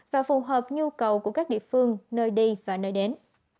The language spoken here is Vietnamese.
và phù hợp nhu cầu của các địa phương nơi đi và nơi đến